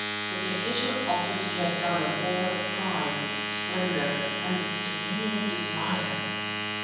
But to hit her off as he had done in all her pride, splendour, and dominion of desire!